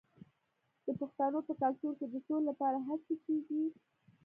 د پښتنو په کلتور کې د سولې لپاره هڅې کیږي.